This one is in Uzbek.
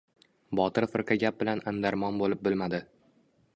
Botir firqa gap bilan andarmon bo‘lib bilmadi.